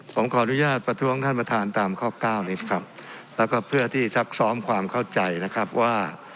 ผมขออนุญาตประท้วงท่านประธานตามข้อเก้านิดครับแล้วก็เพื่อที่ซักซ้อมความเข้าใจนะครับว่า